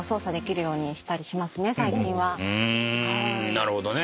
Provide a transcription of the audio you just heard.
なるほどね。